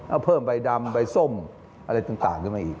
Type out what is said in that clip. เอาเพิ่มใบดำใบส้มอะไรต่างขึ้นมาอีก